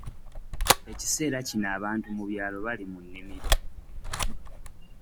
Ekiseera kino abantu mu byalo bali mu nnimiro.